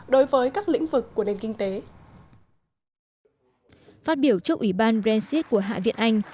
đối với các lĩnh vực của nền kinh tế phát biểu trước ủy ban brexit của hạ viện anh